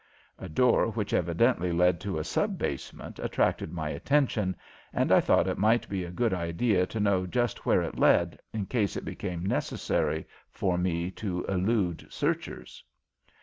A door which evidently led to a sub basement attracted my attention, and I thought it might be a good idea to know just where it led in case it became necessary for me to elude searchers.